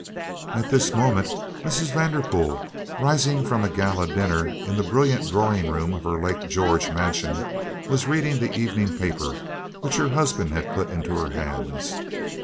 At this moment, Mrs. Vanderpool, rising from a gala dinner in the brilliant drawing room of her Lake George mansion, was reading the evening paper which her husband had put into her hands.